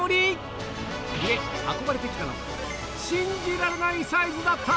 運ばれて来たのは信じられないサイズだった！